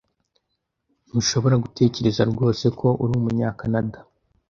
Ntushobora gutekereza rwose ko ari Umunyakanada.